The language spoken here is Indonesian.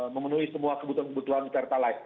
memenuhi semua kebutuhan kebutuhan pertalite